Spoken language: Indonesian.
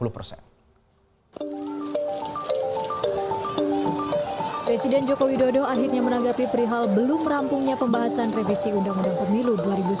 presiden joko widodo akhirnya menanggapi perihal belum merampungnya pembahasan revisi undang undang pemilu dua ribu sembilan belas